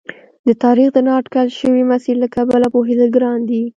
د تاریخ د نا اټکل شوي مسیر له کبله پوهېدل ګران دي.